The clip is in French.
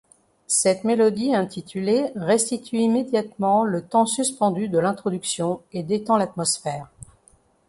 Cette mélodie intitulée restitue immédiatement le temps suspendu de l’introduction et détend l’atmosphère.